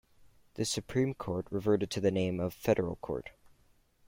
The Supreme Court reverted to the name of Federal Court.